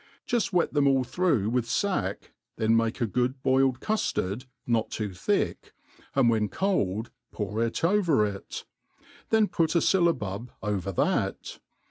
Juft wet them all through with fack, then make a good boiled cuAard, not too thick, and when cold ,pour it iDver it, then ptit a fyllabub over that.